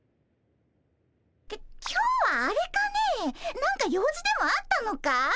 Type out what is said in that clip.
き今日はあれかね何か用事でもあったのかい？